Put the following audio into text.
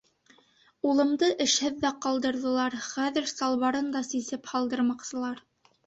Улымды эшһеҙ ҙә ҡалдырҙылар, хәҙер салбарын да сисеп һалдырмаҡсылар.